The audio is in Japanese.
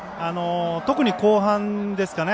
特に後半ですかね。